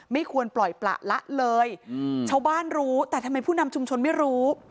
ไม่ควรปล่อยประละเลยชาวบ้านรู้แต่ทำไมผู้นำชุมชนไม่รู้